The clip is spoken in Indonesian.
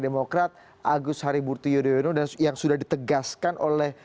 demokrat agus hariburtu yudhoyono dan yang sudah ditegaskan oleh prabowo subianto yang sudah ditegaskan oleh